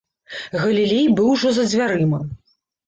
Галілей быў ужо за дзвярыма.